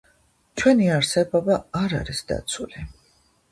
ჩვენი არსებობა არ არის დაცული.